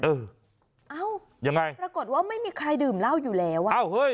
เอ้าปรากฏว่าไม่มีใครดื่มเหล้าอยู่แล้ว